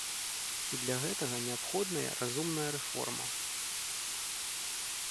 І для гэтага неабходная разумная рэформа.